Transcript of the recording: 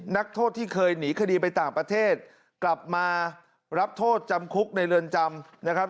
นักโทษที่เคยหนีคดีไปต่างประเทศกลับมารับโทษจำคุกในเรือนจำนะครับ